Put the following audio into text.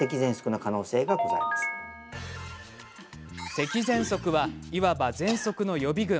せきぜんそくは、いわばぜんそくの予備軍。